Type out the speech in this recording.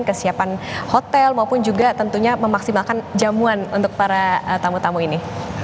kesiapan hotel maupun juga tentunya memaksimalkan jamuan untuk para tamu tamu ini